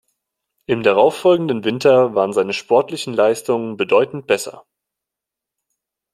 Im darauf folgenden Winter waren seine sportlichen Leistungen bedeutend besser.